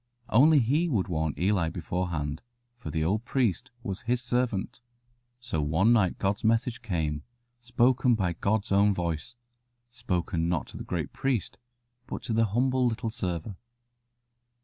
Only He would warn Eli before hand, for the old priest was His servant. So one night God's message came, spoken by God's own voice spoken not to the great priest, but to the humble little server.